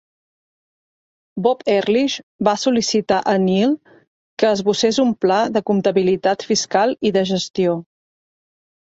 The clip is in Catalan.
Bob Ehrlich va sol·licitar a Neall que esbossés un pla de comptabilitat fiscal i de gestió.